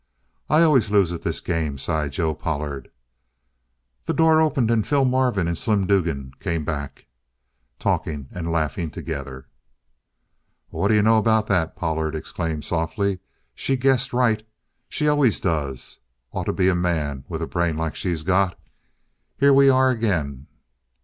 "I always lose at this game," sighed Joe Pollard. The door opened, and Phil Marvin and Slim Dugan came back, talking and laughing together. "What d'you know about that?" Pollard exclaimed softly. "She guessed right. She always does! Oughta be a man, with a brain like she's got. Here we are again!"